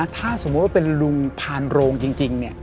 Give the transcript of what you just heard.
ถ้าสมมุติว่าเป็นลุงพานโรงจริง